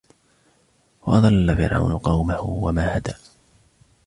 وأضل فرعون قومه وما هدى